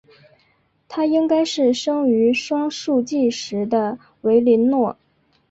她应该是生于双树纪时的维林诺。